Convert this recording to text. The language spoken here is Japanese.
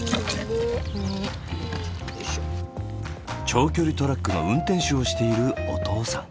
長距離トラックの運転手をしているお父さん。